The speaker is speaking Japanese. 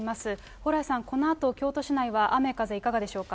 蓬莱さん、このあと京都市内は雨風いかがでしょうか。